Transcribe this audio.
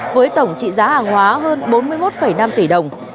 với tổng trị giá hàng hóa hơn bốn mươi một năm tỷ đồng